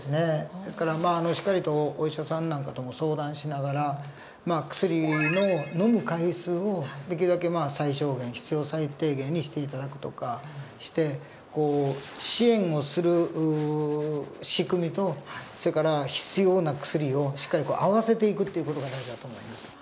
ですからまあしっかりとお医者さんなんかとも相談しながら薬の飲む回数をできるだけ最小限必要最低限にして頂くとかして支援をする仕組みとそれから必要な薬をしっかり合わせていくっていう事が大事だと思います。